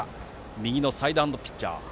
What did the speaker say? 右のサイドハンドピッチャー。